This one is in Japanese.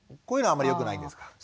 こういうのはあんまりよくないんですか？